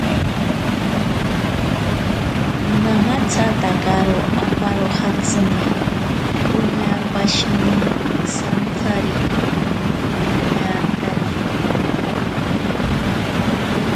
Namatsatakaro aparojatsini, poña pashine santsari nañantariki.